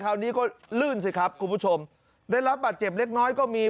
คราวนี้ก็ลื่นสิครับคุณผู้ชมได้รับบาดเจ็บเล็กน้อยก็มี